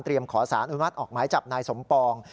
เตรียมขอสารอุณวัฒน์ออกหมายจับนายสมปอง